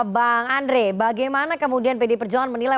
bang andre bagaimana kemudian pdi perjalanan menilai